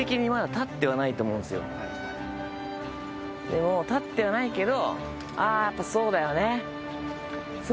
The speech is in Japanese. でも建ってはないけど。